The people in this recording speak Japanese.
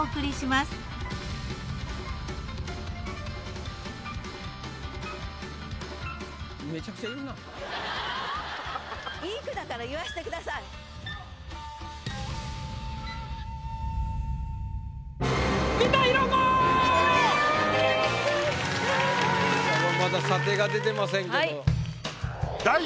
まだ査定が出てませんけど。